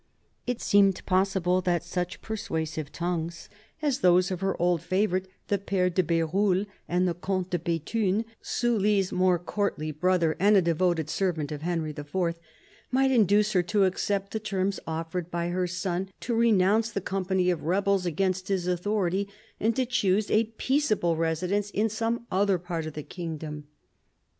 It seemed possible that such persuasive tongues as those of her old favourite the Pfere de BeruUe and of the Comte de Bethune, Sully's more courtly brother and a devoted servant of Henry IV., might induce her to accept the terms offered by her son to renounce the company of rebels against his authority, and to choose a peaceable residence in some other part of the kingdom.